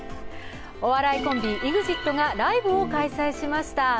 お笑いコンビ・ＥＸＩＴがライブを開催しました。